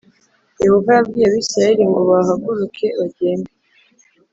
Yehova yabwiye Abisirayeli ngo bahaguruke bagende